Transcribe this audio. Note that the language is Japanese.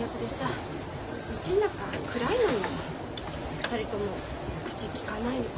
２人とも口きかないの。